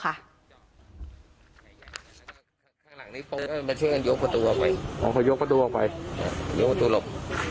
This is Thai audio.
ข้างหลังนี้เขาก็มาช่วยกันยกประตูออกไปพอเขายกประตูออกไปยกประตูหลบ